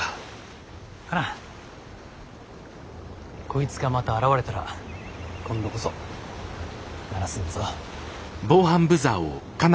こいつがまた現れたら今度こそ鳴らすんだぞ。